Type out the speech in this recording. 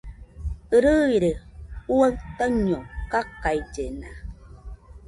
Rɨire juaɨ taiño kakaillena